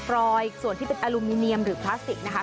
รอยส่วนที่เป็นอลูมิเนียมหรือพลาสติกนะคะ